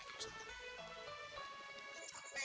capean juga nyuci di bandar nyetir angkot